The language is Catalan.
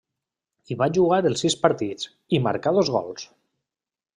Hi va jugar els sis partits, i marcà dos gols.